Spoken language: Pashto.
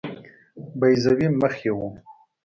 بیضوي مخ یې وو.